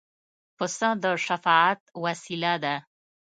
پسه د شفاعت وسیله ده.